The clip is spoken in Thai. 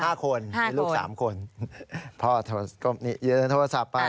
ห้าคนห้าคนลูกสามคนพ่อโทรศัพท์นี้เยือนโทรศัพท์ไป